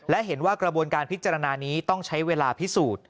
และเห็นว่ากระบวนการพิจารณานี้ต้องใช้เวลาพิสูจน์